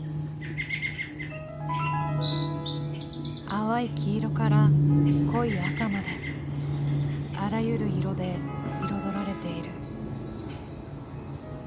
「淡い黄色から濃い赤まであらゆる色で彩られている」。